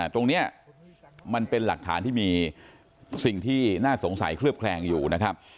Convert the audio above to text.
ตรงนี้มันเป็นหลักฐานที่มีสิ่งที่น่าสงสัยเคลือบแคลงอยู่นะครับ